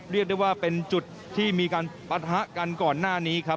เรียกได้ว่าเป็นจุดที่มีการปะทะกันก่อนหน้านี้ครับ